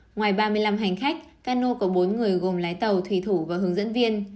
ngoài ba mươi năm hành khách cano có bốn người gồm lái tàu thủy thủ và hướng dẫn viên